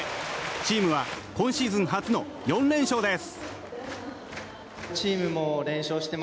チームは今シーズン初の４連勝です。